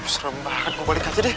serem banget gue balik aja deh